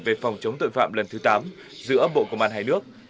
về phòng chống tội phạm lần thứ tám giữa bộ công an hai nước